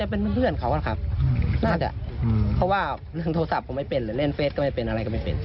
เพราะว่าพ่อไม่เล่นโทรศัพท์เฟทอะไรก็ไม่เป็น